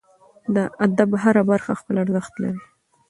د ادب هره برخه خپل ارزښت لري.